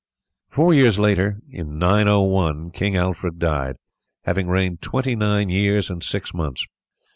Four years later, in 901, King Alfred died, having reigned twenty nine years and six months.